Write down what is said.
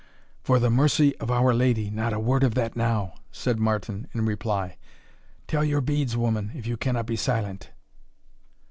"For the mercy of Our Lady, not a word of that now!" said Martin in reply. "Tell your beads, woman, if you cannot be silent."